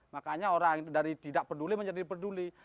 makanya orang dari tidak peduli menjadi peduli